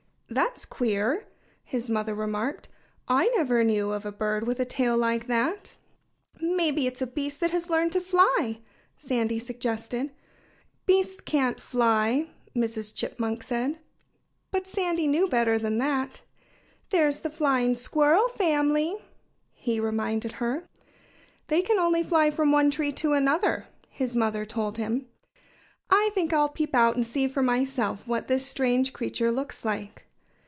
"That's queer!" his mother remarked. "I never knew of a bird with a tail like that." "Maybe it's a beast that has learned to fly," Sandy suggested. "Beasts can't fly," Mrs. Chipmunk said. But Sandy knew better than that. "There's the Flying Squirrel family," he reminded her. "They can only fly from one tree to another," his mother told him. "I think I'll peep out and see for myself what this strange creature looks like."